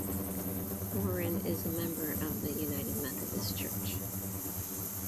Boren is a member of the United Methodist Church.